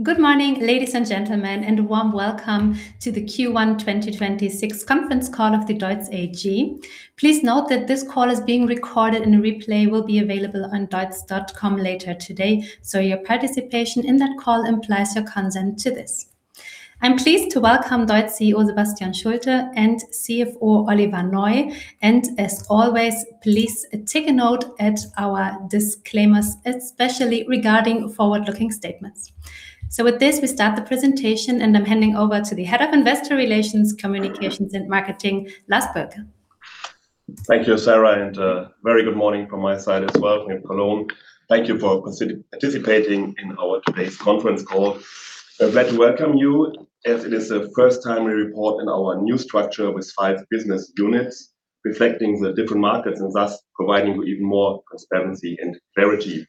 Good morning, ladies and gentlemen, and a warm welcome to the Q1 2026 Conference Call of the DEUTZ AG. Please note that this call is being recorded and a replay will be available on deutz.com later today. Your participation in that call implies your consent to this. I'm pleased to welcome DEUTZ CEO Sebastian Schulte and CFO Oliver Neu. As always, please take a note at our disclaimers, especially regarding forward-looking statements. With this, we start the presentation, and I'm handing over to the Head of Investor Relations, Communications and Marketing, Lars Boelke. Thank you, Sarah, very good morning from my side as well here in Cologne. Thank you for participating in our today's conference call. I'm glad to welcome you as it is the first time we report in our new structure with five business units, reflecting the different markets and thus providing even more transparency and clarity.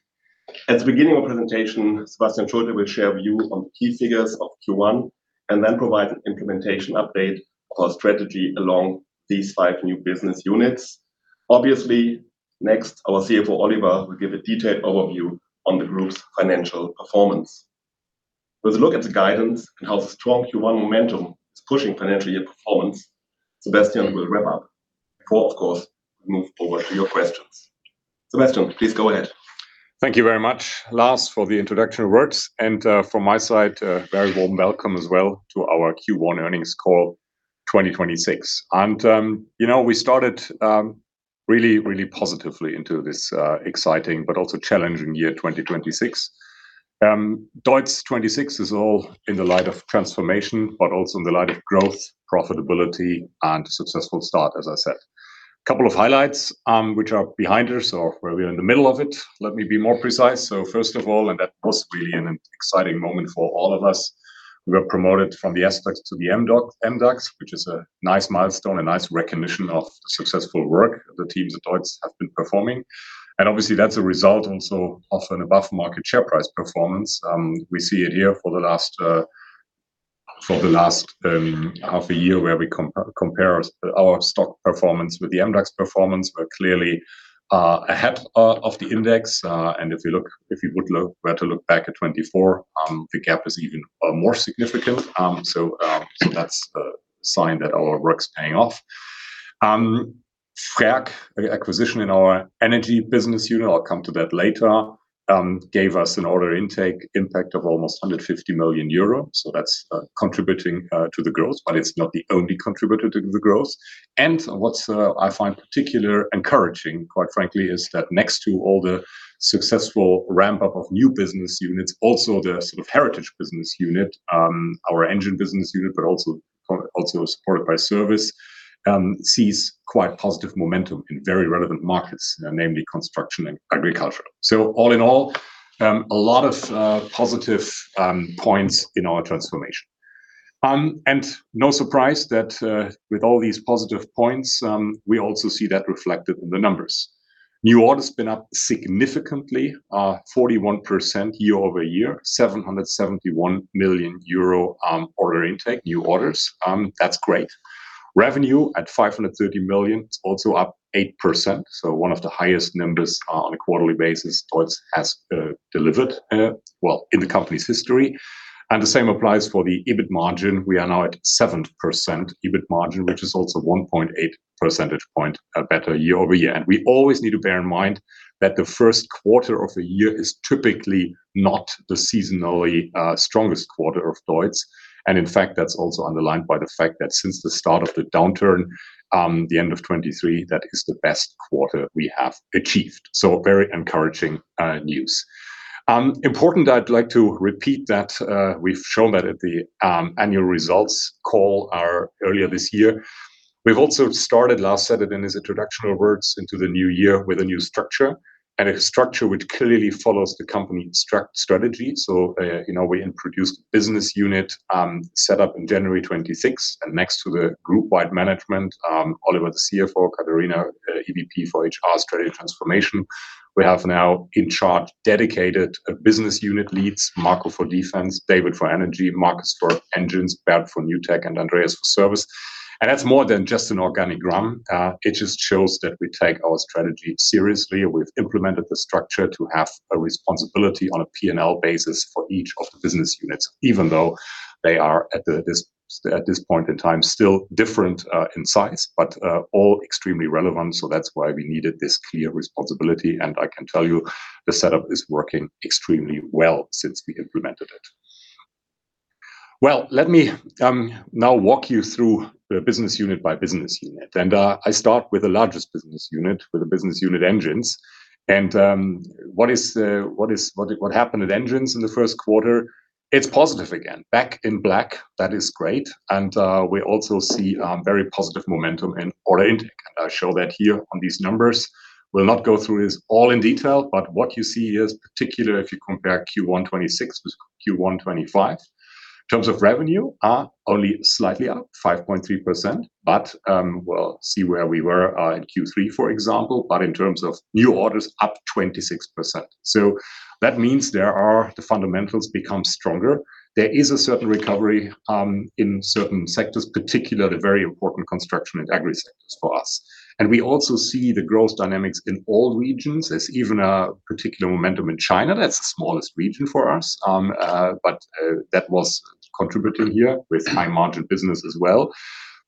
At the beginning of presentation, Sebastian Schulte will share with you on key figures of Q1 and then provide an implementation update of our strategy along these five new business units. Obviously, next, our CFO, Oliver, will give a detailed overview on the group's financial performance. With a look at the guidance and how the strong Q1 momentum is pushing financial year performance, Sebastian will wrap up before, of course, we move forward to your questions. Sebastian, please go ahead. Thank you very much, Lars, for the introductory words. From my side, a very warm welcome as well to our Q1 Earnings Call 2026. You know, we started really, really positively into this exciting but also challenging year 2026. DEUTZ 2026 is all in the light of transformation, but also in the light of growth, profitability, and a successful start, as I said. Couple of highlights, which are behind us or where we're in the middle of it, let me be more precise. First of all, that was really an exciting moment for all of us, we were promoted from the SDAX to the MDAX, which is a nice milestone, a nice recognition of successful work the teams at DEUTZ have been performing. Obviously, that's a result also of an above-market share price performance. We see it here for the last half a year, where we compare our stock performance with the MDAX performance. We're clearly ahead of the index. If you were to look back at 2024, the gap is even more significant. That's a sign that our work's paying off. FRAC, the acquisition in our energy business unit, I'll come to that later, gave us an order intake impact of almost 150 million euro. That's contributing to the growth, but it's not the only contributor to the growth. What's, I find particularly encouraging, quite frankly, is that next to all the successful ramp-up of new business units, also the sort of heritage business unit, our engine business unit, but also supported by service, sees quite positive momentum in very relevant markets, namely construction and agricultural. All in all, a lot of positive points in our transformation. No surprise that with all these positive points, we also see that reflected in the numbers. New orders been up significantly, 41% year-over-year, 771 million euro order intake, new orders. That's great. Revenue at 530 million, it's also up 8%, so one of the highest numbers on a quarterly basis DEUTZ has delivered, well, in the company's history. The same applies for the EBIT margin. We are now at 7% EBIT margin, which is also 1.8 percentage point better year-over-year. We always need to bear in mind that the first quarter of the year is typically not the seasonally strongest quarter of DEUTZ. In fact, that's also underlined by the fact that since the start of the downturn, the end of 2023, that is the best quarter we have achieved. Very encouraging news. Important, I'd like to repeat that we've shown that at the annual results call earlier this year. We've also started, Lars said it in his introduction words, into the new year with a new structure, and a structure which clearly follows the company strategy. You know, we introduced business unit set up in January 2026. Next to the group wide management, Oliver, the CFO, Katharina, EVP for HR, strategy, and transformation. We have now in charge dedicated business unit leads, Marco for defense, David for energy, Marcus for engines, Bert for NewTech, and Andreas for service. That's more than just an organigram. It just shows that we take our strategy seriously. We've implemented the structure to have a responsibility on a P&L basis for each of the business units, even though they are at this point in time, still different in size, but all extremely relevant. That's why we needed this clear responsibility. I can tell you the setup is working extremely well since we implemented it. Let me now walk you through the business unit by business unit. I start with the largest business unit, with the business unit engines. What happened at engines in the first quarter? It is positive again. Back in black, that is great. We also see very positive momentum in order intake. I show that here on these numbers. We will not go through this all in detail, but what you see is particular if you compare Q1 2026 with Q1 2025. In terms of revenue, only slightly up, 5.3%. Well, see where we were in Q3, for example. In terms of new orders, up 26%. That means the fundamentals become stronger. There is a certain recovery in certain sectors, particularly the very important construction and agri sectors for us. We also see the growth dynamics in all regions. There's even a particular momentum in China. That's the smallest region for us. That was contributing here with high-margin business as well.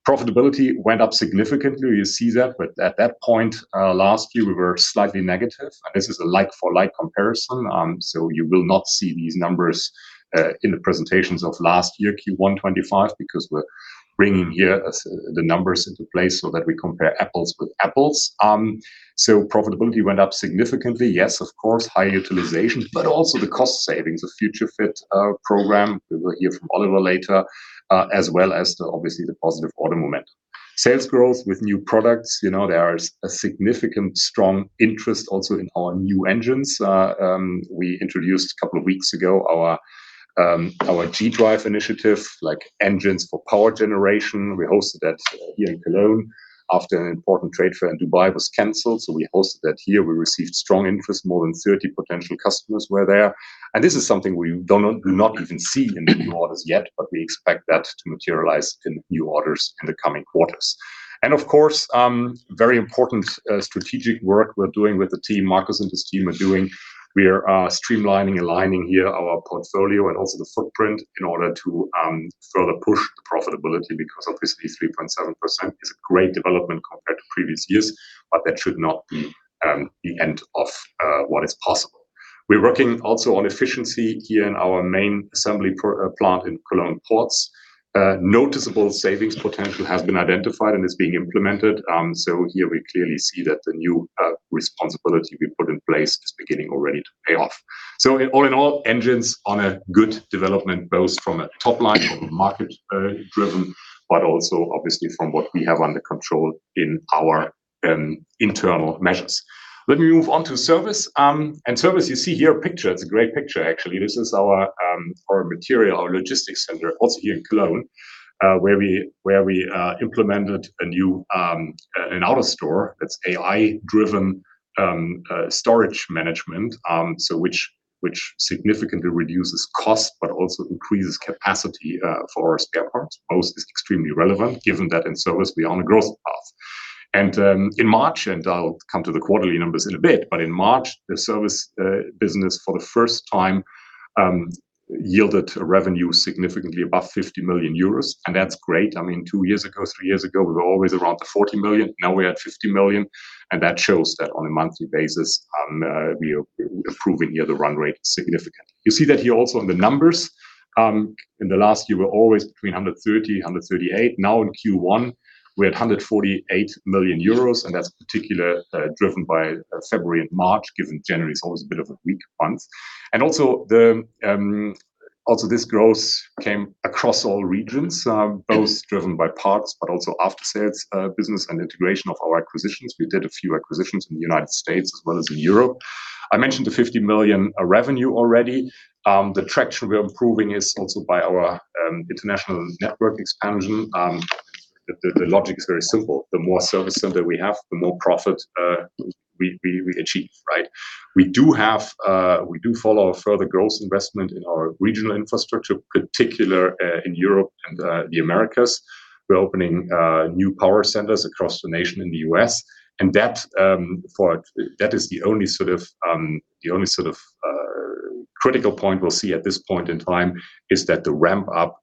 Profitability went up significantly. You see that. At that point, last year, we were slightly negative. This is a like for like comparison, you will not see these numbers in the presentations of last year Q1 2025 because we're bringing here the numbers into place so that we compare apples with apples. Profitability went up significantly. Yes, of course, high utilization, but also the cost savings of Future Fit program, we will hear from Oliver later, as well as the positive order momentum. Sales growth with new products, you know, there is a significant strong interest also in our new engines. We introduced a couple of weeks ago our G-Drive initiative, like engines for power generation. We hosted that here in Cologne after an important trade fair in Dubai was canceled, so we hosted that here. We received strong interest. More than 30 potential customers were there. This is something we do not even see in the new orders yet, but we expect that to materialize in new orders in the coming quarters. Of course, very important strategic work we're doing with the team, Marcus and his team are doing. We are streamlining and aligning here our portfolio and also the footprint in order to further push the profitability because obviously 3.7% is a great development compared to previous years, but that should not be the end of what is possible. We're working also on efficiency here in our main assembly plant in Cologne Porz. Noticeable savings potential has been identified and is being implemented. Here we clearly see that the new responsibility we put in place is beginning already to pay off. In all, engines on a good development, both from a top line, from a market driven, but also obviously from what we have under control in our internal measures. Let me move on to service. Service, you see here a picture. It's a great picture, actually. This is our material, our logistics center, also here in Cologne, where we implemented a new AutoStore. That's AI-driven storage management, which significantly reduces cost but also increases capacity for our spare parts. Both is extremely relevant given that in service we are on a growth path. In March, and I'll come to the quarterly numbers in a bit, but in March, the service business for the first time yielded revenue significantly above 50 million euros, and that's great. I mean, two years ago, three years ago, we were always around 40 million. Now we're at 50 million, and that shows that on a monthly basis, we are improving here the run rate significantly. You see that here also in the numbers. In the last year, we're always between 130 million-138 million. Now in Q1, we're at 148 million euros, and that's particular driven by February and March, given January is always a bit of a weak month. This growth came across all regions, both driven by parts but also aftersales business and integration of our acquisitions. We did a few acquisitions in the United States as well as in Europe. I mentioned the 50 million revenue already. The traction we are improving is also by our international network expansion. The logic is very simple. The more service center we have, the more profit we achieve, right? We do have, we do follow further growth investment in our regional infrastructure, particularly in Europe and the Americas. We're opening new power centers across the nation in the U.S. That is the only sort of critical point we'll see at this point in time is that the ramp up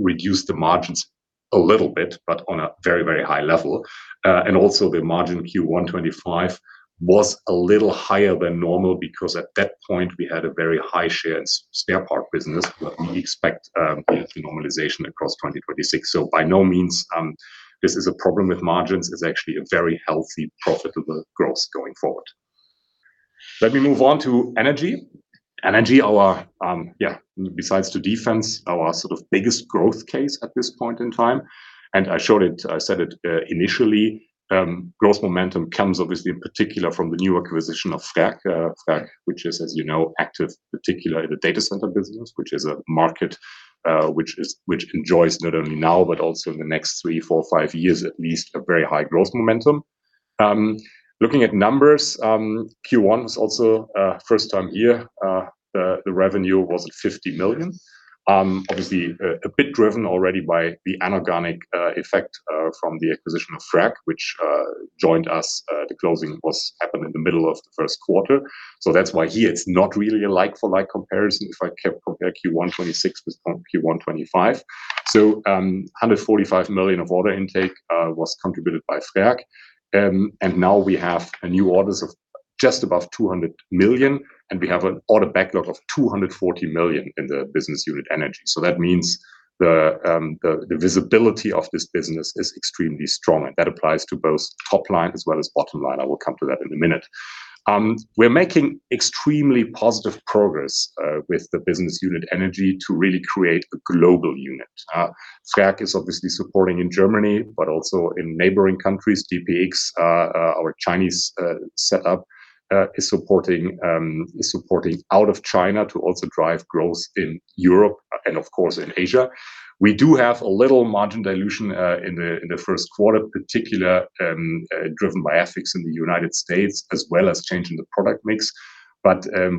reduced the margins a little bit, but on a very, very high level. Also the margin Q1 2025 was a little higher than normal because at that point, we had a very high share in spare part business, we expect a normalization across 2026. By no means, this is a problem with margins. It's actually a very healthy, profitable growth going forward. Let me move on to energy. Energy, our, besides to defense, our sort of biggest growth case at this point in time, I showed it, I said it initially. Growth momentum comes obviously in particular from the new acquisition of FRAC, which is, as you know, active particularly in the data center business, which is a market which enjoys not only now but also in the next three, four, five years at least, a very high growth momentum. Looking at numbers, Q1 was also first time here. The revenue was at 50 million. Obviously, a bit driven already by the anorganic effect from the acquisition of FRAC, which joined us. The closing was happened in the middle of the first quarter. That's why here it's not really a like for like comparison if I compare Q1 2026 with Q1 2025. 145 million of order intake was contributed by FRAC. Now we have new orders of just above 200 million. We have an order backlog of 240 million in the business unit Energy. That means the visibility of this business is extremely strong, and that applies to both top line as well as bottom line. I will come to that in a minute. We are making extremely positive progress with the business unit Energy to really create a global unit. FRAC is obviously supporting in Germany but also in neighboring countries. DPX, our Chinese setup, is supporting out of China to also drive growth in Europe and of course in Asia. We do have a little margin dilution in the 1st quarter, particularly driven by FX in the United States as well as change in the product mix.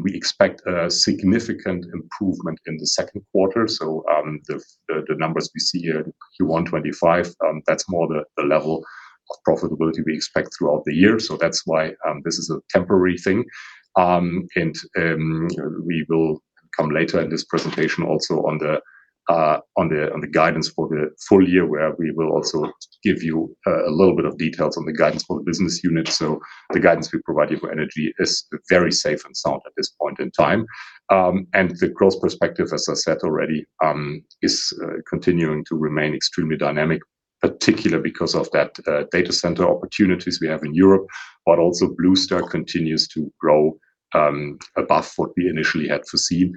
We expect a significant improvement in the 2nd quarter. The numbers we see here in Q1 2025, that's more the level of profitability we expect throughout the year. That's why this is a temporary thing. We will come later in this presentation also on the guidance for the full year, where we will also give you a little bit of details on the guidance for the business unit. The guidance we provide you for energy is very safe and sound at this point in time. The growth perspective, as I said already, is continuing to remain extremely dynamic, particular because of that data center opportunities we have in Europe, but also Blue Star continues to grow above what we initially had foreseen.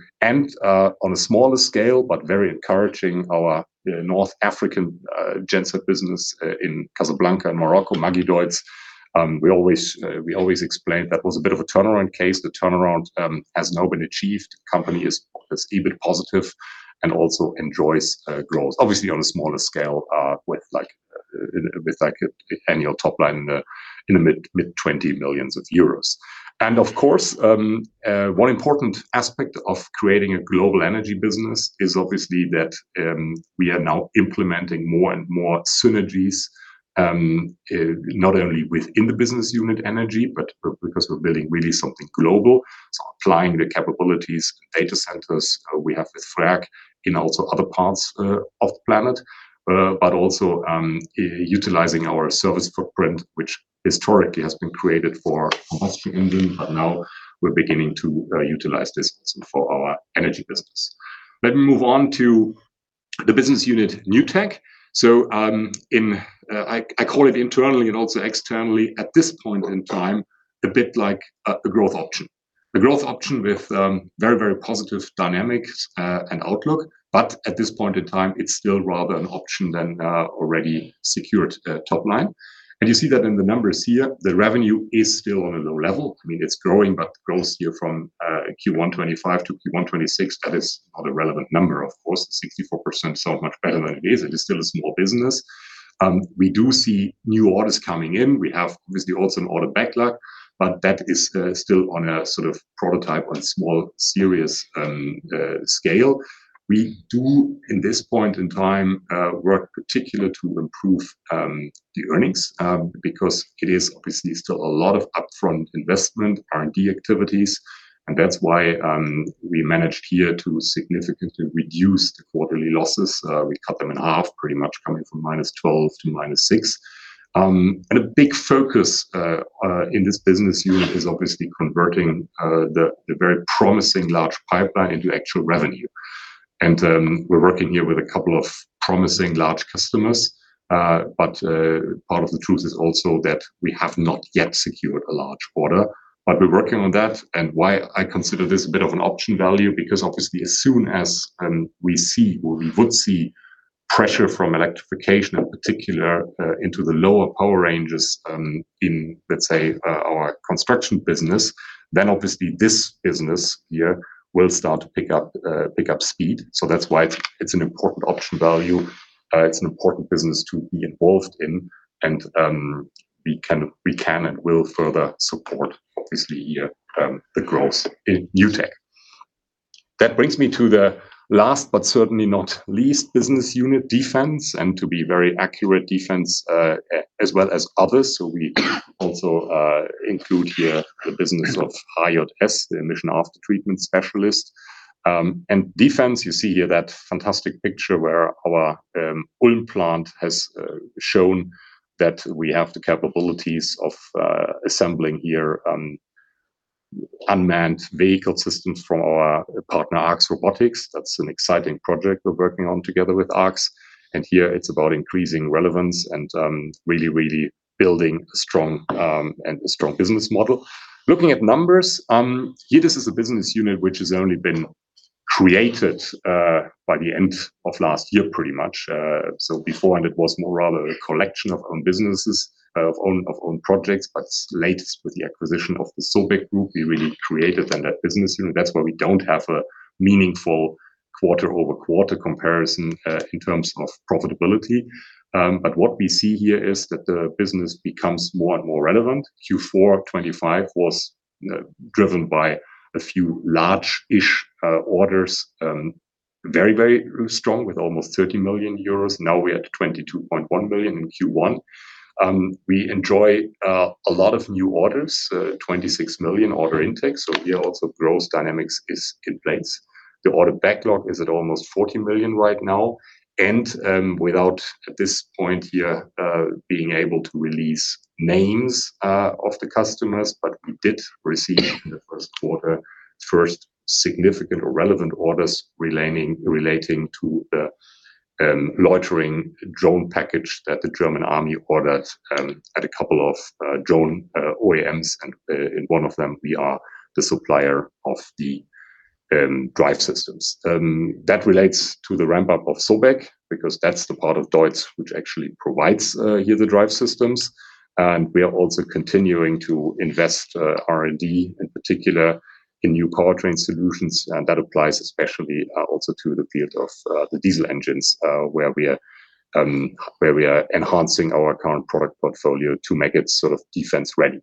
On a smaller scale, but very encouraging, our North African genset business in Casablanca and Morocco, Magideutz, we always explained that was a bit of a turnaround case. The turnaround has now been achieved. Company is EBIT positive and also enjoys growth, obviously on a smaller scale, with annual top line in the mid 20 million euros. Of course, one important aspect of creating a global energy business is obviously that we are now implementing more and more synergies, not only within the business unit Energy, but because we're building really something global. Applying the capabilities in data centers we have with FRAC in also other parts of the planet. But also, utilizing our service footprint, which historically has been created for a combustion engine, but now we're beginning to utilize this for our energy business. Let me move on to the business unit NewTech. I call it internally and also externally at this point in time, a bit like a growth option. A growth option with very, very positive dynamics and outlook. At this point in time, it's still rather an option than a already secured top line. You see that in the numbers here. The revenue is still on a low level. I mean, it's growing, but growth here from Q1 2025 to Q1 2026, that is not a relevant number, of course. 64% sounds much better than it is. It is still a small business. We do see new orders coming in. We have obviously also an order backlog, but that is still on a sort of prototype on small series scale. We do, in this point in time, work particular to improve the earnings, because it is obviously still a lot of upfront investment, R&D activities, and that's why we managed here to significantly reduce the quarterly losses. We cut them in half, pretty much coming from -12 to -6. A big focus in this business unit is obviously converting the very promising large pipeline into actual revenue. We're working here with a couple of promising large customers. Part of the truth is also that we have not yet secured a large order, but we're working on that. Why I consider this a bit of an option value, because obviously as soon as we see, or we would see pressure from electrification in particular, into the lower power ranges, in, let's say, our construction business, then obviously this business here will start to pick up speed. That's why it's an important option value. It's an important business to be involved in. We can and will further support obviously the growth in NewTech. That brings me to the last but certainly not least business unit, Defense. To be very accurate, Defense as well as others. We also include here the business of HJS Emission Technology, the emission aftertreatment specialist. Defense, you see here that fantastic picture where our Ulm plant has shown that we have the capabilities of assembling here unmanned vehicle systems from our partner, ARX Robotics. That's an exciting project we're working on together with ARX. Here it's about increasing relevance and really building a strong business model. Looking at numbers, here this is a business unit which has only been created by the end of last year, pretty much. Beforehand it was more rather a collection of own businesses, of own projects, but latest with the acquisition of the SOBEK Group, we really created then that business unit. That's why we don't have a meaningful quarter-over-quarter comparison in terms of profitability. What we see here is that the business becomes more and more relevant. Q4 2025 was driven by a few large-ish orders. Very strong with almost 30 million euros. Now we're at 22.1 million in Q1. We enjoy a lot of new orders, 26 million order intake. Here also growth dynamics is in place. The order backlog is at almost 40 million right now. Without at this point here, being able to release names of the customers, but we did receive in the 1st quarter, 1st significant or relevant orders relating to the loitering drone package that the German Army ordered at a couple of drone OEMs. In one of them we are the supplier of the drive systems. That relates to the ramp-up of SOBEK, because that's the part of DEUTZ which actually provides here the drive systems. We are also continuing to invest R&D in particular in new powertrain solutions. That applies especially also to the field of the diesel engines, where we are enhancing our current product portfolio to make it sort of defense ready.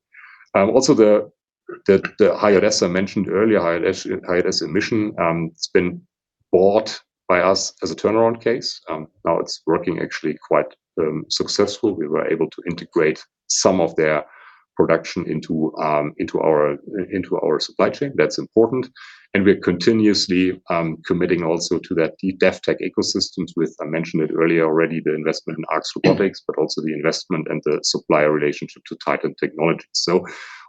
Also, the HJS I mentioned earlier, HJS emission, it's been bought by us as a turnaround case. Now it's working actually quite successful. We were able to integrate some of their production into our supply chain. That's important. We're continuously committing also to that defense tech ecosystems with, I mentioned it earlier already, the investment in ARX Robotics, but also the investment and the supplier relationship to TYTAN Technologies.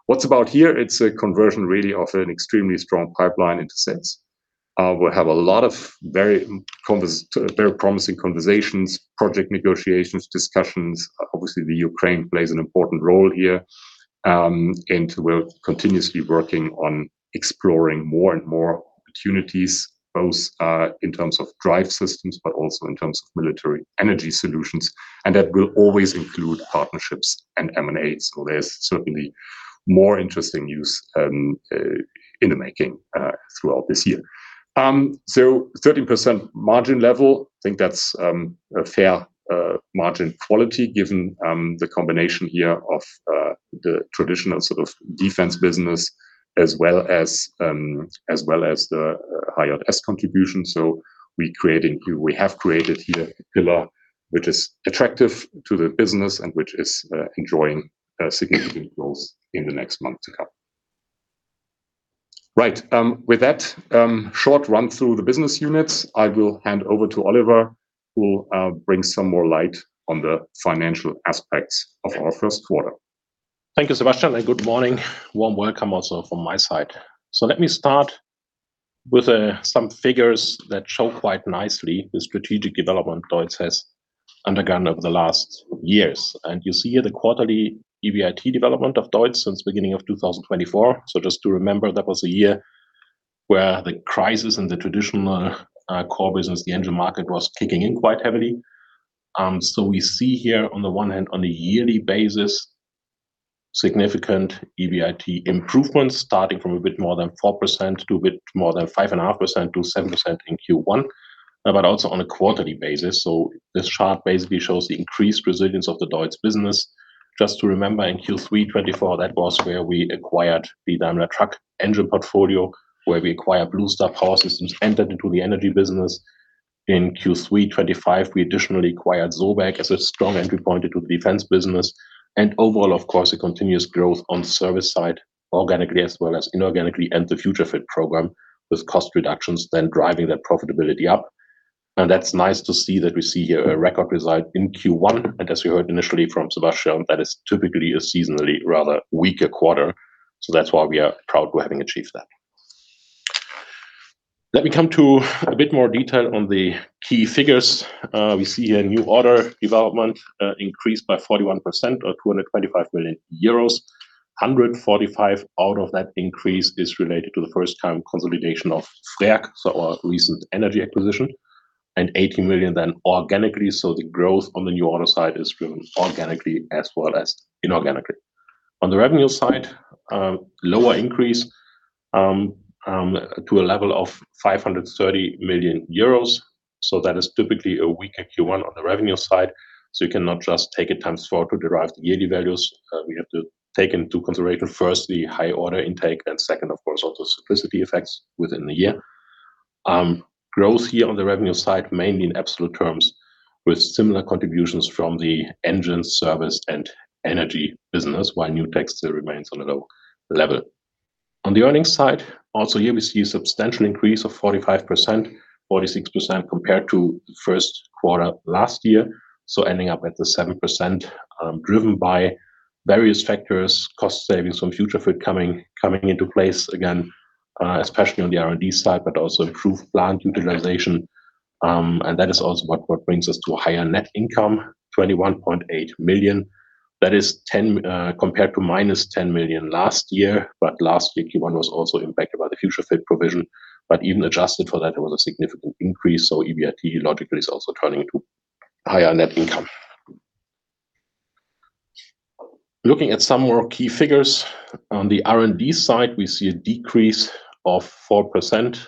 What's about here? It's a conversion really of an extremely strong pipeline into sales. We have a lot of very promising conversations, project negotiations, discussions. Obviously, the Ukraine plays an important role here, we're continuously working on exploring more and more opportunities, both in terms of drive systems, but also in terms of military energy solutions. That will always include partnerships and M&As. There's certainly more interesting news in the making throughout this year. 13% margin level, I think that's a fair margin quality given the combination here of the traditional sort of defense business as well as the SOBEK contribution. We have created here a pillar which is attractive to the business and which is enjoying significant growth in the next months to come. Right. With that short run through the business units, I will hand over to Oliver, who will bring some more light on the financial aspects of our first quarter. Thank you, Sebastian, and good morning. Warm welcome also from my side. Let me start with some figures that show quite nicely the strategic development DEUTZ has undergone over the last years. You see here the quarterly EBIT development of DEUTZ since beginning of 2024. Just to remember, that was a year where the crisis in the traditional core business, the engine market, was kicking in quite heavily. We see here on the one hand, on a yearly basis, significant EBIT improvements, starting from a bit more than 4% to a bit more than 5.5%-7% in Q1, but also on a quarterly basis. This chart basically shows the increased resilience of the DEUTZ business. Just to remember, in Q3 2024, that was where we acquired the Daimler Truck engine portfolio, where we acquired Blue Star Power Systems, entered into the energy business. In Q3 2025, we additionally acquired SOBEK as a strong entry point into the defense business. Overall, of course, a continuous growth on service side, organically as well as inorganically, and the Future Fit program, with cost reductions then driving that profitability up. That's nice to see that we see here a record result in Q1. As we heard initially from Sebastian, that is typically a seasonally rather weaker quarter. That's why we are proud to having achieved that. Let me come to a bit more detail on the key figures. We see here new order development increased by 41% or 225 million euros. 145 out of that increase is related to the first time consolidation of Frerk Aggregatebau, so our recent energy acquisition, and 80 million then organically. The growth on the new order side is driven organically as well as inorganically. On the revenue side, lower increase to a level of 530 million euros. That is typically a weaker Q1 on the revenue side. You cannot just take it x4 to derive the yearly values. We have to take into consideration, first, the high order intake, and second, of course, also synergy effects within the year. Growth here on the revenue side, mainly in absolute terms, with similar contributions from the engine service and energy business, while NewTech still remains on a low level. On the earnings side, also here we see a substantial increase of 45%, 46% compared to the first quarter last year. Ending up at the 7%, driven by various factors, cost savings from Future Fit coming into place again, especially on the R&D side, but also improved plant utilization. That is also what brings us to a higher net income, 21.8 million. That is 10 million compared to minus 10 million last year. Last year, Q1 was also impacted by the Future Fit provision. Even adjusted for that, it was a significant increase. EBIT logically is also turning into higher net income. Looking at some more key figures, on the R&D side, we see a decrease of 4%.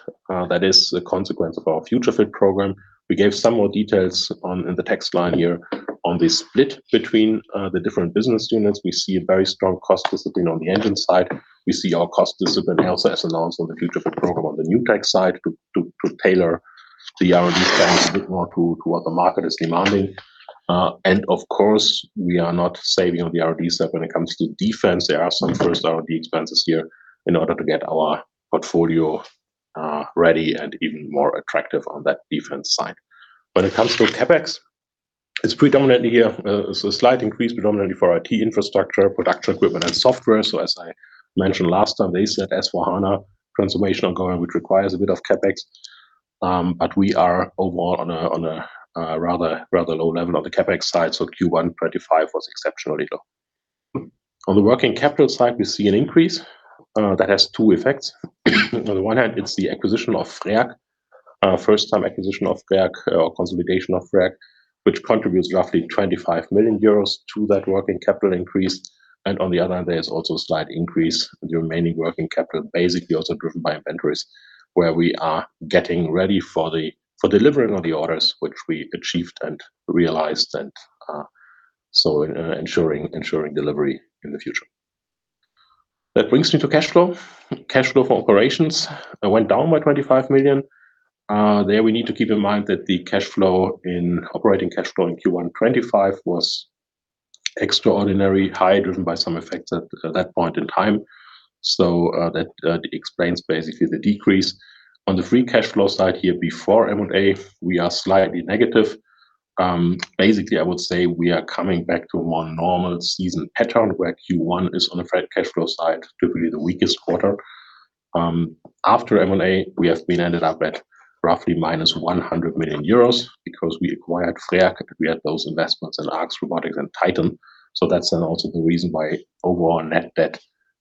That is a consequence of our Future Fit program. We gave some more details on, in the text line here on the split between the different business units. We see a very strong cost discipline on the engine side. We see our cost discipline also as announced on the Future Fit program on the NewTech side to tailor the R&D spends a bit more to what the market is demanding. Of course, we are not saving on the R&D stuff when it comes to defense. There are some first R&D expenses here in order to get our portfolio ready and even more attractive on that defense side. When it comes to CapEx, it's predominantly a slight increase predominantly for IT infrastructure, production equipment and software. As I mentioned last time, the SAP S/4HANA transformation ongoing, which requires a bit of CapEx. We are overall on a rather low level on the CapEx side. Q1 2025 was exceptionally low. On the working capital side, we see an increase that has two effects. On the one hand, it's the acquisition of Frerk Aggregatebau, first time acquisition of Frerk Aggregatebau or consolidation of Frerk Aggregatebau, which contributes roughly 25 million euros to that working capital increase. On the other hand, there's also a slight increase in the remaining working capital, basically also driven by inventories, where we are getting ready for delivering on the orders which we achieved and realized and ensuring delivery in the future. That brings me to cash flow. Cash flow for operations went down by 25 million. There we need to keep in mind that the operating cash flow in Q1 2025 was extraordinary high, driven by some effects at that point in time. That explains basically the decrease. On the free cash flow side here before M&A, we are slightly negative. Basically, I would say we are coming back to a more normal season pattern where Q1 is on the free cash flow side typically the weakest quarter. After M&A, we have been ended up at roughly minus 100 million euros because we acquired Frerk Aggregatebau, we had those investments in ARX Robotics and TYTAN Technologies. That's then also the reason why overall net debt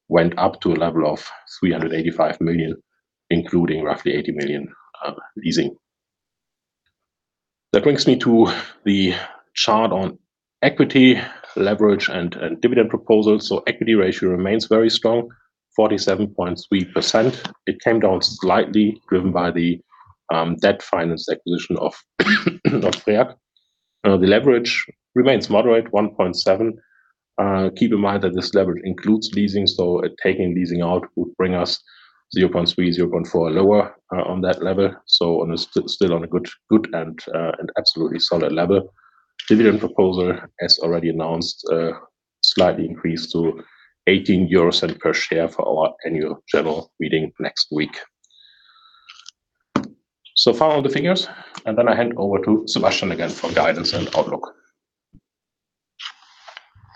went up to a level of 385 million, including roughly 80 million leasing. That brings me to the chart on equity leverage and dividend proposals. Equity ratio remains very strong, 47.3%. It came down slightly driven by the debt finance acquisition of Frerk. The leverage remains moderate, 1.7. Keep in mind that this leverage includes leasing, taking leasing out would bring us 0.3, 0.4 lower on that level. On a still good and absolutely solid level. Dividend proposal, as already announced, slightly increased to 0.18 euros per share for our annual general meeting next week. Final the figures, I hand over to Sebastian again for guidance and outlook.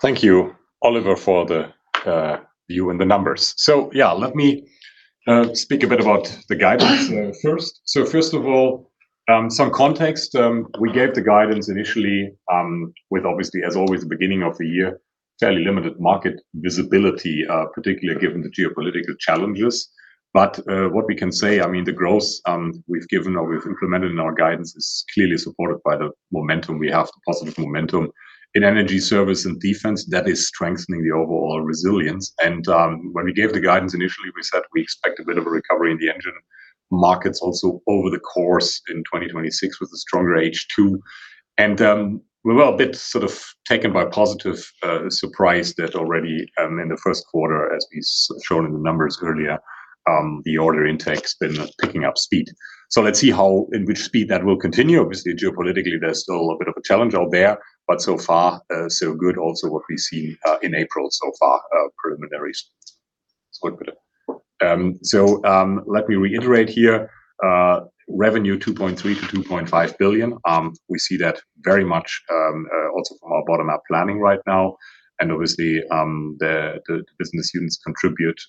Thank you, Oliver, for the view and the numbers. Yeah, let me speak a bit about the guidance first. First of all, some context. We gave the guidance initially with obviously, as always, the beginning of the year, fairly limited market visibility, particularly given the geopolitical challenges. What we can say, I mean, the growth we've given or we've implemented in our guidance is clearly supported by the momentum we have, the positive momentum. In Energy Service and Defense, that is strengthening the overall resilience. When we gave the guidance initially, we said we expect a bit of a recovery in the engine markets also over the course in 2026 with a stronger H2. We were a bit sort of taken by positive surprise that already in the 1st quarter, as we shown in the numbers earlier, the order intake's been picking up speed. Let's see how in which speed that will continue. Obviously, geopolitically, there's still a bit of a challenge out there, but so far, so good also what we've seen in April so far, preliminaries. It's good. Let me reiterate here, revenue 2.3 billion-2.5 billion. We see that very much also from our bottom-up planning right now. Obviously, the business units contribute,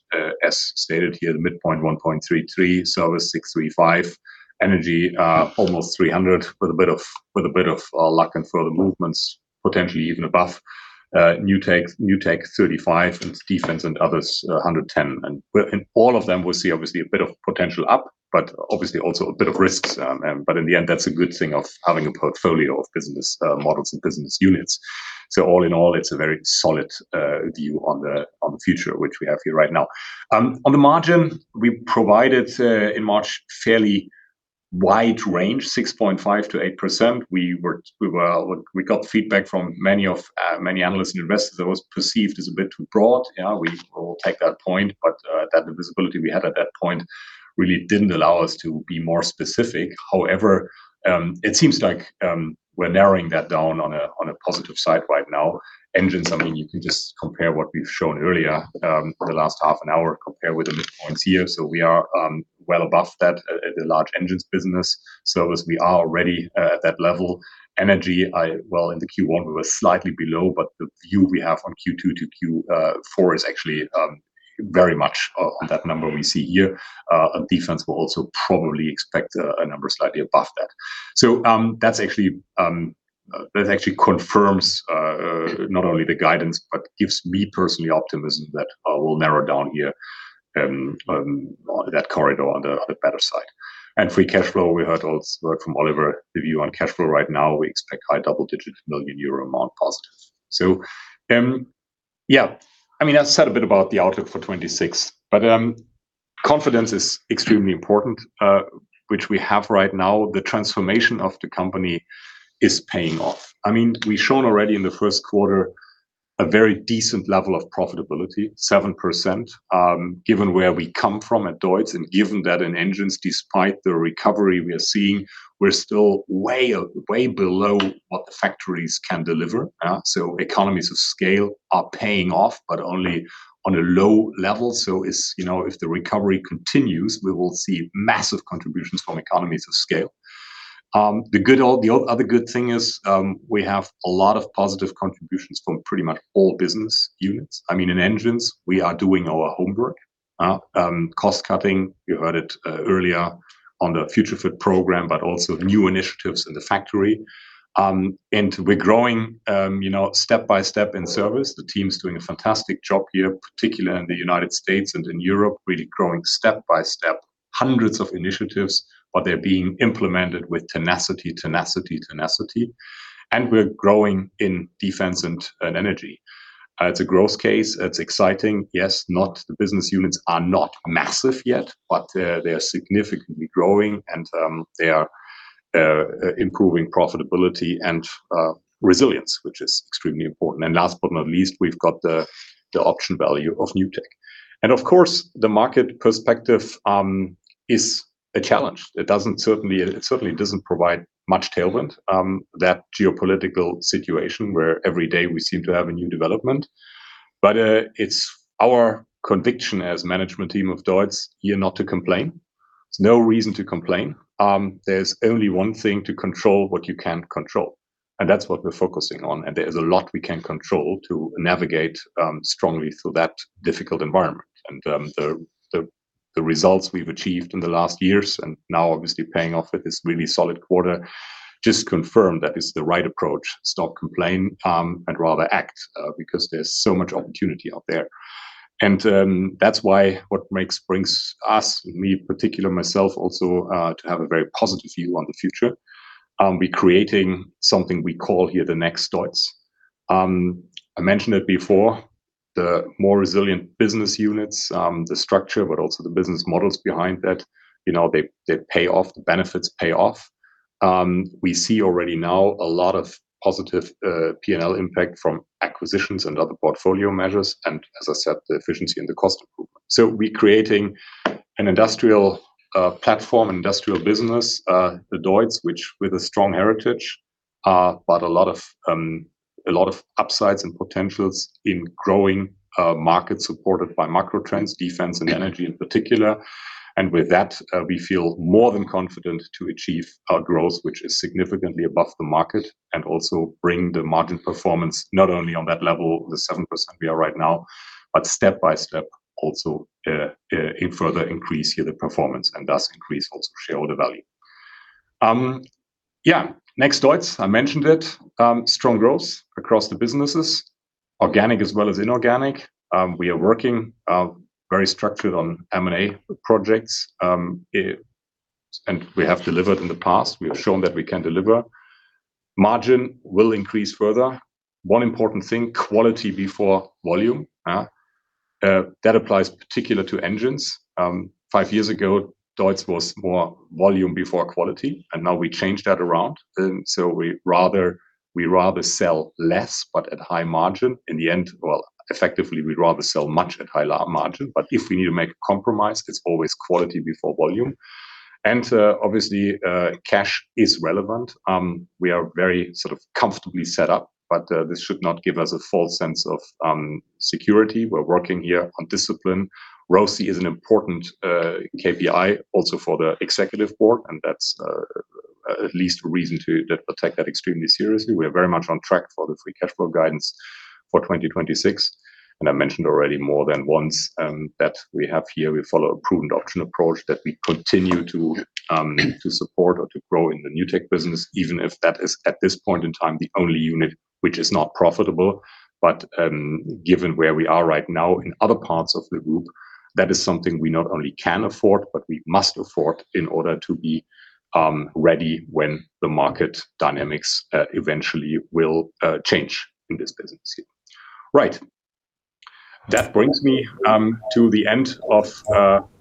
as stated here, the midpoint 1.33, Service 635, Energy, almost 300 with a bit of luck and further movements, potentially even above. NewTech 35, and Defense and Others 110. In all of them, we see obviously a bit of potential up, but obviously also a bit of risks, but in the end, that's a good thing of having a portfolio of business models and business units. All in all, it's a very solid view on the future, which we have here right now. On the margin, we provided in March fairly wide range, 6.5%-8%. We got feedback from many analysts and investors that was perceived as a bit too broad. We will take that point, but that the visibility we had at that point really didn't allow us to be more specific. It seems like we're narrowing that down on a positive side right now. Engines, I mean, you can just compare what we've shown earlier for the last half an hour, compare with the midpoints here. We are well above that, the large engines business. Service, we are already at that level. Energy, well, in the Q1, we were slightly below, but the view we have on Q2-Q4 is actually very much on that number we see here. Defense will also probably expect a number slightly above that. That actually confirms not only the guidance, but gives me personally optimism that we'll narrow down here on that corridor on the better side. Free cash flow, we heard also from Oliver, the view on cash flow right now, we expect high double-digit million EUR amount positive. Yeah. I mean, I said a bit about the outlook for 2026, confidence is extremely important which we have right now. The transformation of the company is paying off. I mean, we've shown already in the first quarter a very decent level of profitability, 7%, given where we come from at DEUTZ and given that in engines, despite the recovery we are seeing, we're still way below what the factories can deliver. Economies of scale are paying off, but only on a low level. It's, you know, if the recovery continues, we will see massive contributions from economies of scale. The other good thing is, we have a lot of positive contributions from pretty much all business units. I mean, in engines, we are doing our homework. Cost-cutting, you heard it earlier on the Future Fit program, but also new initiatives in the factory. We're growing, you know, step-by-step in Service. The team's doing a fantastic job here, particularly in the United States and in Europe, really growing step-by-step hundreds of initiatives, but they're being implemented with tenacity. We're growing in Defense and Energy. It's a growth case. It's exciting. Yes, the business units are not massive yet, but they are significantly growing and improving profitability and resilience, which is extremely important. Last but not least, we've got the option value of NewTech. Of course, the market perspective is a challenge. It certainly doesn't provide much tailwind, that geopolitical situation where every day we seem to have a new development. It's our conviction as management team of DEUTZ here not to complain. There's no reason to complain. There's only one thing to control what you can control, and that's what we're focusing on. There is a lot we can control to navigate strongly through that difficult environment. The results we've achieved in the last years and now obviously paying off with this really solid quarter just confirm that it's the right approach. Stop complain, rather act, because there's so much opportunity out there. That's why what brings us, me particular myself also, to have a very positive view on the future. We're creating something we call here the Next DEUTZ. I mentioned it before, the more resilient business units, the structure, but also the business models behind that, you know, they pay off, the benefits pay off. We see already now a lot of positive P&L impact from acquisitions and other portfolio measures and as I said, the efficiency and the cost improvement. We're creating an industrial platform, industrial business, the DEUTZ, which with a strong heritage, but a lot of upsides and potentials in growing markets supported by macro trends, defense and energy in particular. With that, we feel more than confident to achieve our growth, which is significantly above the market, and also bring the margin performance not only on that level, the 7% we are right now, but step by step also further increase here the performance and thus increase also shareholder value. Yeah. Next DEUTZ, I mentioned it. Strong growth across the businesses, organic as well as inorganic. We are working very structured on M&A projects. We have delivered in the past. We have shown that we can deliver. Margin will increase further. One important thing, quality before volume, that applies particular to engines. Five years ago, DEUTZ was more volume before quality, now we changed that around. We rather sell less, but at high margin. In the end, well, effectively, we'd rather sell much at high margin. If we need to make a compromise, it's always quality before volume. Obviously, cash is relevant. We are very sort of comfortably set up, this should not give us a false sense of security. We're working here on discipline. ROCE is an important KPI also for the executive board. That's at least a reason to take that extremely seriously. We are very much on track for the free cash flow guidance for 2026. I mentioned already more than once that we follow a prudent option approach that we continue to support or to grow in the NewTech business, even if that is, at this point in time, the only unit which is not profitable. Given where we are right now in other parts of the group, that is something we not only can afford, but we must afford in order to be ready when the market dynamics eventually will change in this business. Right. That brings me to the end of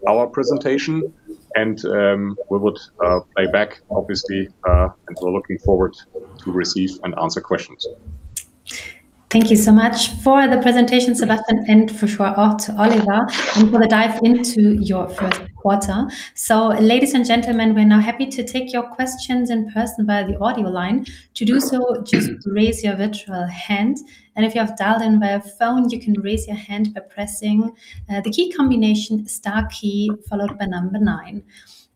our presentation, and we would pay back obviously, and we're looking forward to receive and answer questions. Thank you so much for the presentation, Sebastian, and for sure also to Oliver, and for the dive into your first quarter. Ladies and gentlemen, we're now happy to take your questions in person via the audio line. To do so, just raise your virtual hand, and if you have dialed in via phone, you can raise your hand by pressing the key combination star key followed by nine.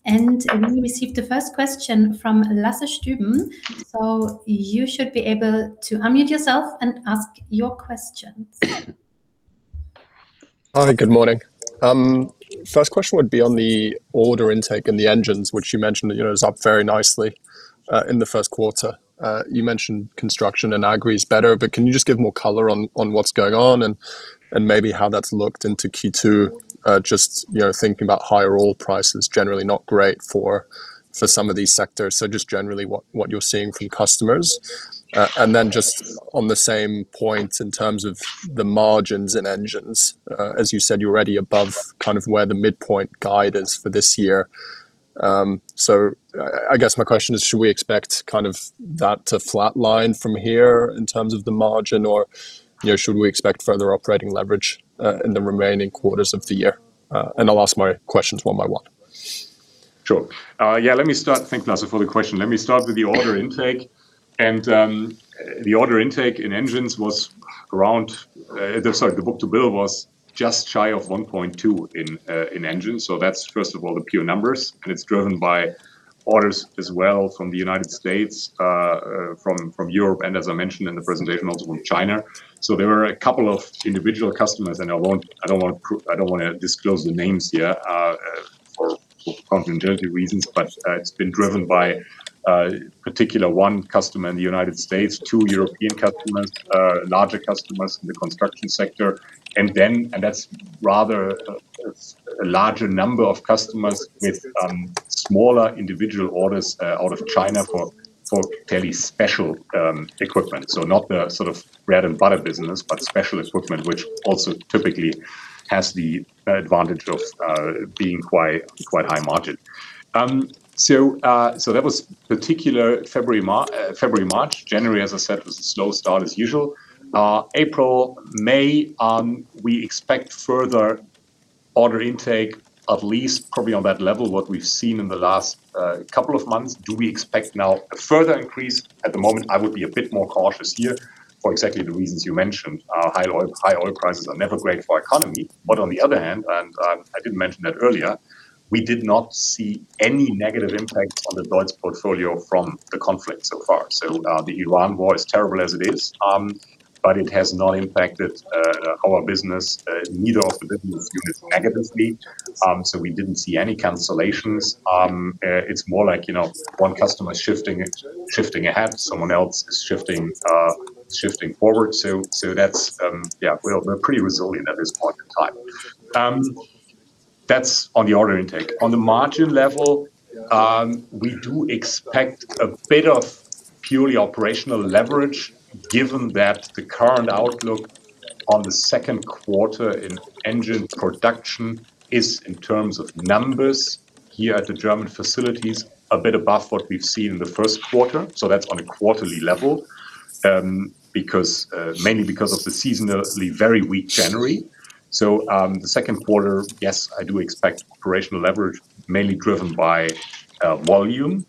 We received the first question from Lasse Stüben, so you should be able to unmute yourself and ask your questions. Hi, good morning. First question would be on the order intake in the engines, which you mentioned, you know, is up very nicely in the first quarter. You mentioned construction and agri is better, but can you just give more color on what's going on and maybe how that's looked into Q2, just, you know, thinking about higher oil prices, generally not great for some of these sectors. Just generally what you're seeing from customers. Just on the same point in terms of the margins in engines, as you said, you're already above kind of where the midpoint guide is for this year. I guess my question is should we expect kind of that to flatline from here in terms of the margin or, you know, should we expect further operating leverage in the remaining quarters of the year? I'll ask my questions one by one. Sure. Let me start. Thank you, Lasse, for the question. Let me start with the order intake. The order intake in engines was around, sorry, the book-to-bill was just shy of 1.2 in engines. That's first of all the pure numbers, and it's driven by orders as well from the United States, from Europe, and as I mentioned in the presentation, also from China. There were a couple of individual customers, and I don't wanna disclose the names here for confidentiality reasons, but it's been driven by particular one customer in the United States, two European customers, larger customers in the construction sector. That's rather a larger number of customers with smaller individual orders out of China for fairly special equipment. Not the sort of bread and butter business, but special equipment, which also typically has the advantage of being quite high margin. That was particular February, March. January, as I said, was a slow start as usual. April, May, we expect further order intake, at least probably on that level what we've seen in the last couple of months. Do we expect now a further increase? At the moment I would be a bit more cautious here for exactly the reasons you mentioned. High oil prices are never great for our economy. On the other hand, and, I did mention that earlier, we did not see any negative impact on the DEUTZ portfolio from the conflict so far. The Iran war, as terrible as it is, but it has not impacted our business, neither of the business units negatively. We didn't see any cancellations. It's more like, you know, one customer is shifting ahead, someone else is shifting forward. That's, yeah, we're pretty resilient at this point in time. That's on the order intake. On the margin level, we do expect a bit of purely operational leverage given that the current outlook on the second quarter in engine production is in terms of numbers here at the German facilities, a bit above what we've seen in the first quarter. That's on a quarterly level. Because, mainly because of the seasonally very weak January. The second quarter, yes, I do expect operational leverage mainly driven by volume.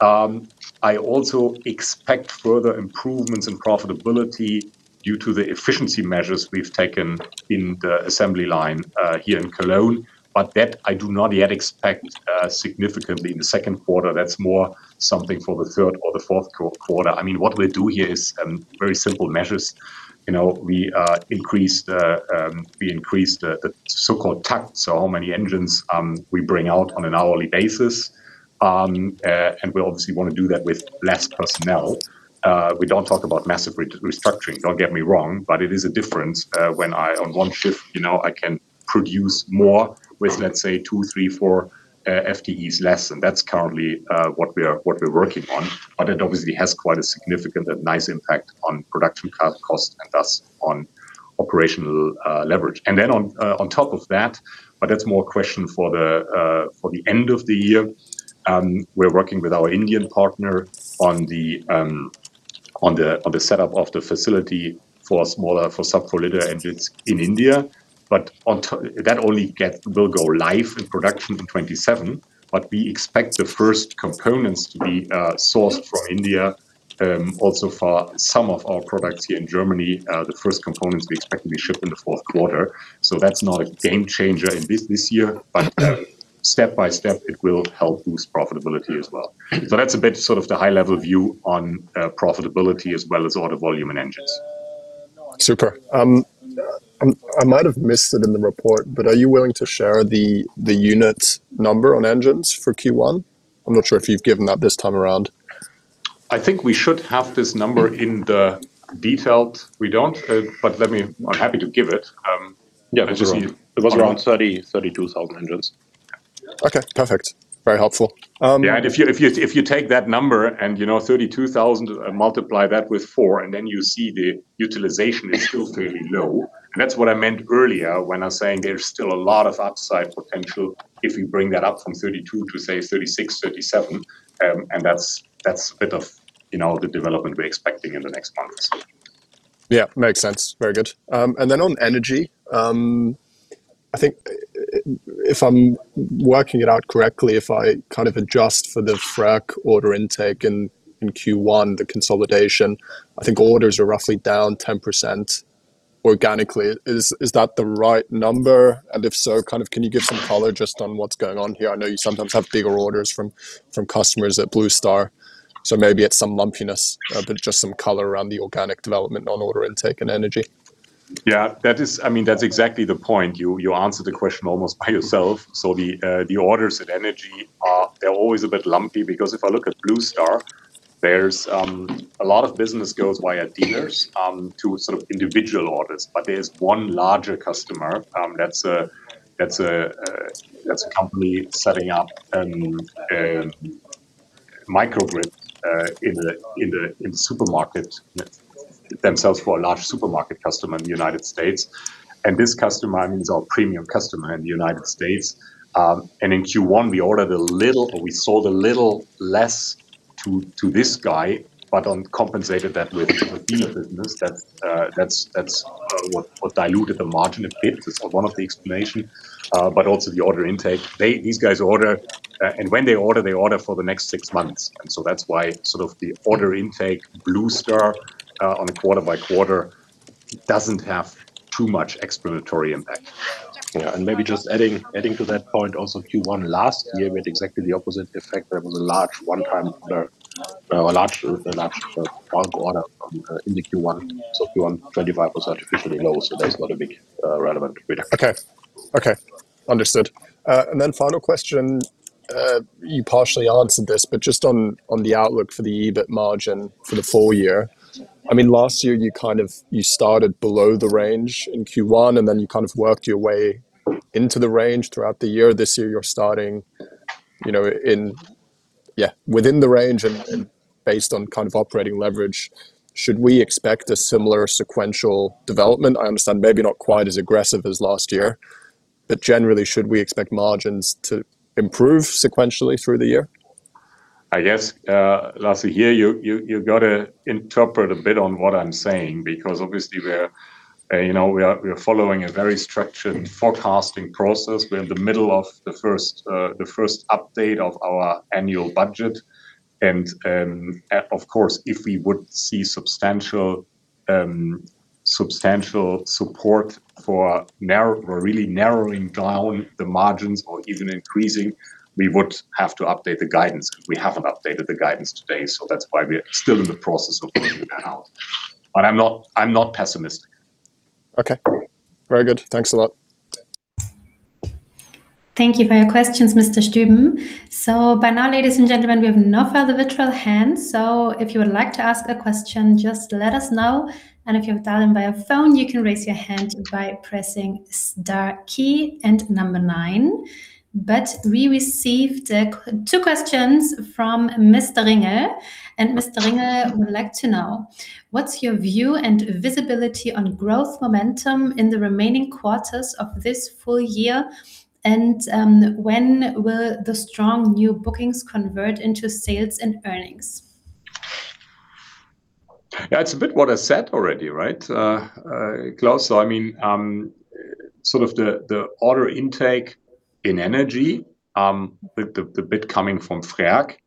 I also expect further improvements in profitability due to the efficiency measures we've taken in the assembly line here in Cologne. That I do not yet expect significantly in the second quarter. That's more something for the third or the fourth quarter. I mean, what we do here is very simple measures. You know, we increase the so-called takt. How many engines we bring out on an hourly basis. We obviously wanna do that with less personnel. We don't talk about massive restructuring, don't get me wrong, it is a difference when I, on one shift, you know, I can produce more with, let's say two, three, four FTEs less. That's currently what we're working on. It obviously has quite a significant and nice impact on production cost and thus on operational leverage. On top of that's more a question for the end of the year, we're working with our Indian partner on the setup of the facility for smaller, for sub-kilowatt engines in India. That only will go live in production in 2027. We expect the first components to be sourced from India, also for some of our products here in Germany. The first components we expect to be shipped in the fourth quarter. That's not a game changer in this year, but step by step it will help boost profitability as well. That's a bit sort of the high level view on profitability as well as order volume and engines. Super. I might have missed it in the report, but are you willing to share the unit number on engines for Q1? I'm not sure if you've given that this time around. I think we should have this number in the detailed. We don't, but let me I'm happy to give it. Yeah. It was around 30,000, 32,000 engines. Okay, perfect. Very helpful. If you take that number and, you know, 32,000 and multiply that with four and then you see the utilization is still fairly low. That's what I meant earlier when I was saying there's still a lot of upside potential if we bring that up from 32 to say 36, 37. That's a bit of, you know, the development we're expecting in the next months. Yeah, makes sense. Very good. Then on energy, I think if I'm working it out correctly, if I kind of adjust for the FRAC order intake in Q1, the consolidation, I think orders are roughly down 10% organically. Is that the right number? If so, kind of can you give some color just on what's going on here? I know you sometimes have bigger orders from customers at Blue Star Power Systems, so maybe it's some lumpiness. Just some color around the organic development on order intake and energy. Yeah, I mean, that's exactly the point. You answered the question almost by yourself. The orders at energy are, they're always a bit lumpy because if I look at Blue Star, a lot of business goes via dealers to sort of individual orders. There's one larger customer, that's a company setting up a microgrid in the supermarket themselves for a large supermarket customer in the United States. This customer is our premium customer in the United States. In Q1 we ordered a little or we sold a little less to this guy, compensated that with dealer business. That's what diluted the margin a bit. It's one of the explanation. Also the order intake. These guys order, and when they order, they order for the next six months. That's why sort of the order intake, Blue Star, on a quarter by quarter doesn't have too much explanatory impact. Yeah, maybe just adding to that point also, Q1 last year we had exactly the opposite effect. There was a large one order in the Q1. Q1 2025 was artificially low, so there's not a big relevant picture. Okay. Okay. Understood. Final question, you partially answered this, just on the outlook for the EBIT margin for the full year. I mean, last year you started below the range in Q1, you kind of worked your way into the range throughout the year. This year you're starting, you know, Yeah. Within the range and based on kind of operating leverage, should we expect a similar sequential development? I understand maybe not quite as aggressive as last year, generally, should we expect margins to improve sequentially through the year? I guess, lastly here, you gotta interpret a bit on what I'm saying because obviously we're, you know, we are following a very structured forecasting process. We're in the middle of the 1st update of our annual budget and, of course, if we would see substantial support for really narrowing down the margins or even increasing, we would have to update the guidance. We haven't updated the guidance today, that's why we are still in the process of working that out. I'm not pessimistic. Okay. Very good. Thanks a lot. Thank you for your questions, Mr. Stüben. By now, ladies and gentlemen, we have no further virtual hands, if you would like to ask a question, just let us know. If you've dialed in via phone, you can raise your hand by pressing star key and number nine. We received two questions from Mr. Ringer, Mr. Ringer would like to know: What's your view and visibility on growth momentum in the remaining quarters of this full year, when will the strong new bookings convert into sales and earnings? Yeah, it's a bit what I said already, right, Claus? I mean, sort of the order intake in energy, the bit coming from FRAC,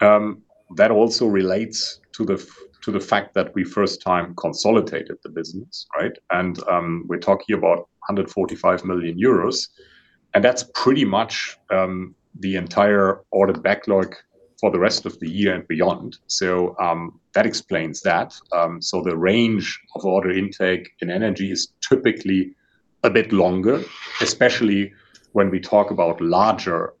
that also relates to the fact that we first time consolidated the business, right? We're talking about 145 million euros, and that's pretty much the entire order backlog for the rest of the year and beyond. That explains that. The range of order intake in energy is typically a bit longer, especially when we talk about larger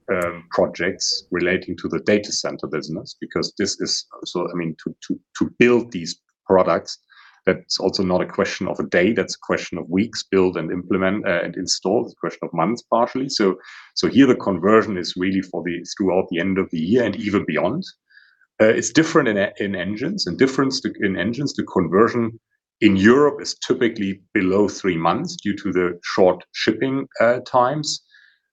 projects relating to the data center business because this is I mean, to build these products, that's also not a question of a day, that's a question of weeks. Build and implement, and install is a question of months, partially. Here the conversion is really for throughout the end of the year and even beyond. It's different in engines, the conversion in Europe is typically below three months due to the short shipping times.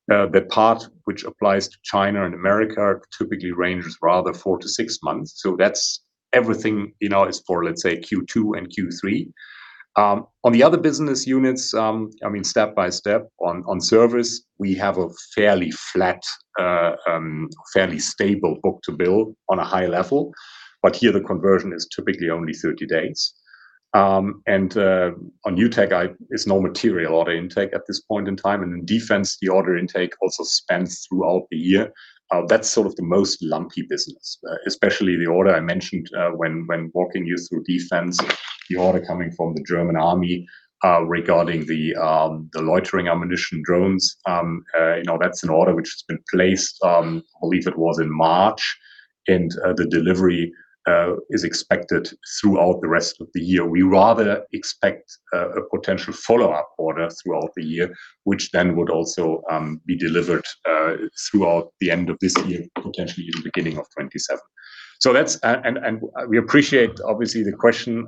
The part which applies to China and America typically ranges rather four to six months. That's everything, you know, is for, let's say, Q2 and Q3. On the other business units, I mean, step by step. On service we have a fairly flat, fairly stable book-to-bill on a high level, but here the conversion is typically only 30 days. And on NewTech, it's no material order intake at this point in time, and in defense, the order intake also spans throughout the year. That's sort of the most lumpy business, especially the order I mentioned, when walking you through defense, the order coming from the German Army regarding the loitering ammunition drones. You know, that's an order which has been placed, I believe it was in March, and the delivery is expected throughout the rest of the year. We rather expect a potential follow-up order throughout the year, which then would also be delivered throughout the end of this year, potentially in the beginning of 2027. That's and we appreciate, obviously, the question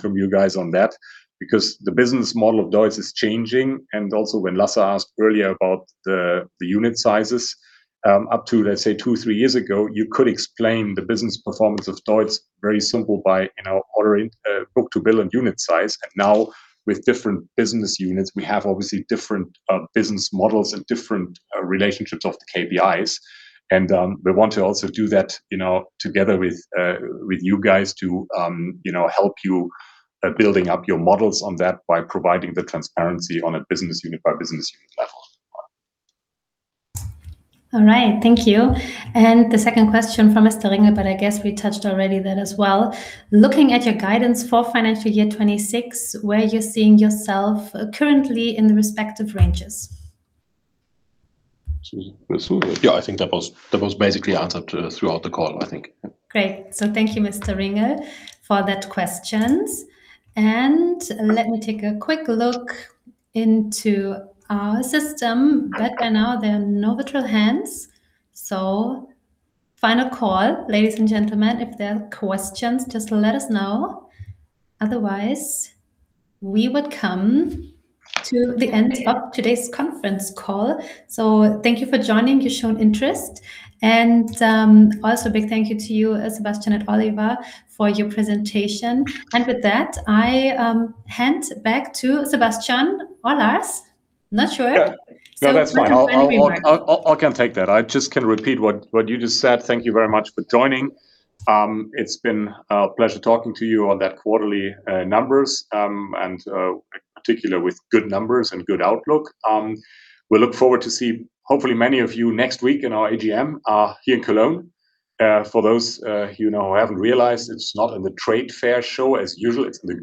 from you guys on that because the business model of DEUTZ is changing. Also when Lasse asked earlier about the unit sizes, up to, let's say, two, three years ago, you could explain the business performance of DEUTZ very simple by, you know, book to bill and unit size. Now with different business units, we have obviously different business models and different relationships of the KPIs. We want to also do that, you know, together with with you guys to, you know, help you building up your models on that by providing the transparency on a business unit by business unit level. All right. Thank you. The second question from Mr. Ringer, but I guess we touched already that as well. Looking at your guidance for financial year 2026, where you're seeing yourself currently in the respective ranges? Yeah, I think that was basically answered throughout the call, I think. Great. Thank you, Mr. Ringer, for that questions. Let me take a quick look into our system. By now there are no virtual hands. Final call, ladies and gentlemen. If there are questions, just let us know. Otherwise, we would come to the end of today's conference call. Thank you for joining. You've shown interest, and also big thank you to you, Sebastian and Oliver, for your presentation. With that, I hand back to Sebastian or Lars. Not sure. Yeah. No, that's fine. Sounds like a friendly mark. I can take that. I just can repeat what you just said. Thank you very much for joining. It's been a pleasure talking to you on that quarterly numbers and in particular with good numbers and good outlook. We look forward to see hopefully many of you next week in our AGM here in Cologne. For those, you know, who haven't realized, it's not in the trade fair show as usual, it's in the.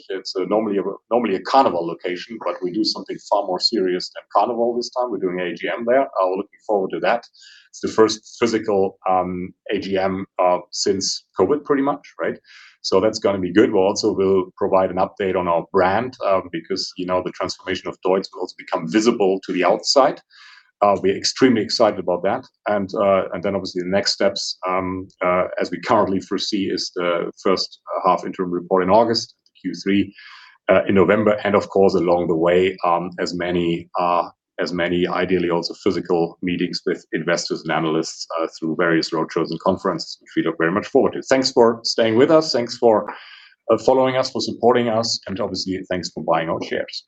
[unintelligible] It's normally a carnival location, but we do something far more serious than carnival this time. We're doing AGM there. We're looking forward to that. It's the first physical AGM since COVID pretty much, right? That's gonna be good. We'll also provide an update on our brand, because, you know, the transformation of DEUTZ will also become visible to the outside. We're extremely excited about that. Obviously the next steps, as we currently foresee, is the 1st half interim report in August, Q3 in November, and of course along the way, as many ideally also physical meetings with investors and analysts through various roadshows and conference, which we look very much forward to. Thanks for staying with us. Thanks for following us, for supporting us, and obviously thanks for buying our shares.